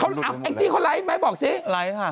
แอคจี้เขาไลฟ์ไหมบอกสิ